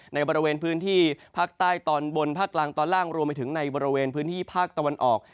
ในบริเวณพื้นที่ภาคใต้ตอนบนภาคกลางตอนล่างรวมไปถึงในบริเวณพื้นที่ภาคตะวันออก